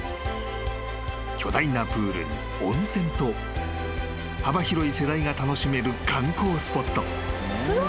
［巨大なプールに温泉と幅広い世代が楽しめる観光スポット］